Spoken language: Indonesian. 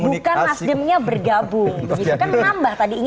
bukan nasdemnya bergabung